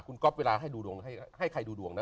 คุณก๊อฟเวลาให้ดูดวงให้ใครดูดวงนะ